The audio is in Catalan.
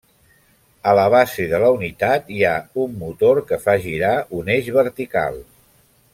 La base de la unitat hi ha un motor que fa girar un eix vertical.